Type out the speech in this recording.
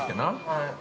◆はい。